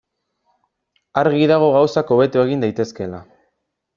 Argi dago gauzak hobeto egin daitezkeela.